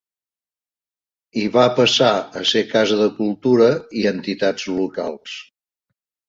I va passar a ser casa de cultura i entitats locals.